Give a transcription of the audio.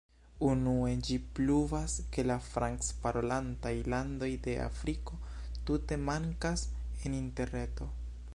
Unue, ĝi pruvas ke la franc-parolantaj landoj de Afriko tute mankas en Interreto.